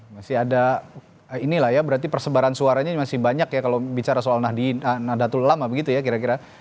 masih ada inilah ya berarti persebaran suaranya masih banyak ya kalau bicara soal nadatul ulama begitu ya kira kira